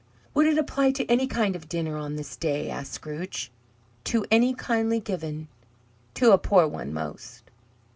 "Would it apply to any kind of dinner on this day?" asked Scrooge. "To any kindly given. To a poor one most."